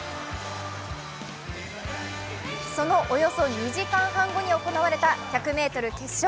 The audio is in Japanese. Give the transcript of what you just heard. そのおよそ２時間半後に行われた１００ｍ決勝。